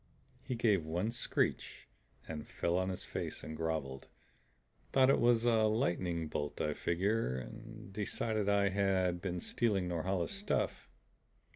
"He gave one screech and fell on his face and groveled. Thought it was a lightning bolt, I figure; decided I had been stealing Norhala's stuff.